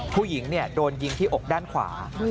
ผู้หญิงโดนยิงที่อกด้านขวา